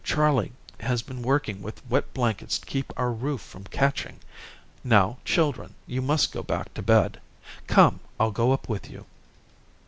Charlie has been working with wet blankets to keep our roof from catching. Now, children, you must go back to bed. Come, I'll go up with you."